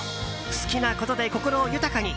好きなことで心を豊かに。